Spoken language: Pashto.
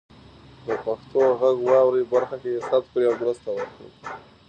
د پښتو غږ واورئ برخه کې ثبت کړئ او مرسته وکړئ.